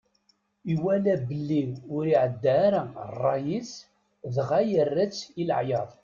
Iwala belli ur iɛedda ara ṛṛay-is, dɣa yerra-tt i leɛyaḍ.